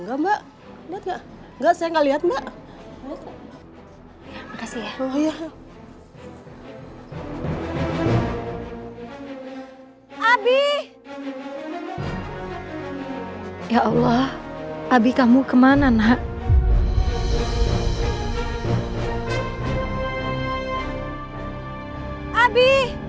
ada liat anak kecil di foto ini